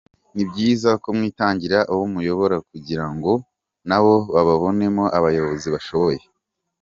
Ni byiza ko mwitangira abo muyobora kugira ngo nabo bababonemo abayobozi bashoboye.